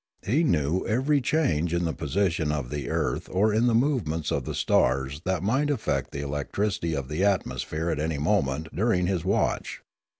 He knew every change in the position of the earth or in the movements of the stars that might affect the electricity of the atmosphere at any moment during his watch.